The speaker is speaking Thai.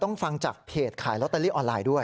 ฟังจากเพจขายลอตเตอรี่ออนไลน์ด้วย